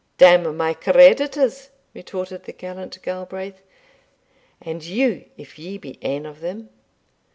"D n my creditors!" retorted the gallant Galbraith, "and you if ye be ane o' them!